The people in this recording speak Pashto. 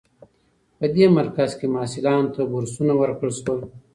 په دې مرکز کې محصلانو ته بورسونه ورکړل شول.